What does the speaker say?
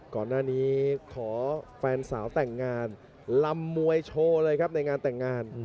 ก่อนหน้านี้ขอแฟนสาวแต่งงานลำมวยโชว์เลยครับในงานแต่งงาน